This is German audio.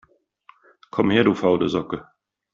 Komm her, du faule Socke!